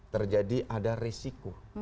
terjadi ada risiko